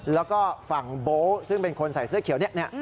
แล้วก็ฝั่งโบ๊ซึ่งเป็นคนใส่เสื้อเขียวเนี่ย